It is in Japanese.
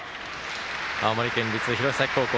青森県立弘前高校